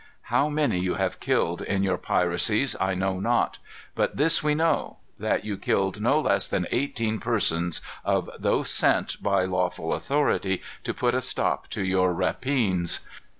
How many you have killed, in your piracies, I know not. But this we know, that you killed no less than eighteen persons of those sent, by lawful authority, to put a stop to your rapines.